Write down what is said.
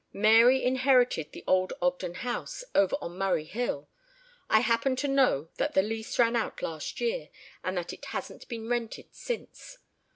Mary inherited the old Ogden house over on Murray Hill. I happen to know that the lease ran out last year and that it hasn't been rented since.